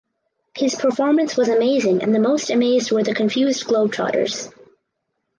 His performance was amazing and the most amazed were the confused Globetrotters.